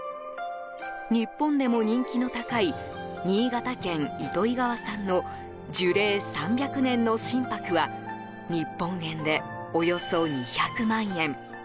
日本でも人気の高い新潟県糸魚川産の樹齢３００年の真柏は日本円でおよそ２００万円。